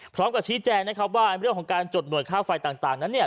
พร้อมกับชี้แจงนะครับว่าเรื่องของการจดหน่วยค่าไฟต่างนั้นเนี่ย